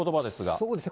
そうですね。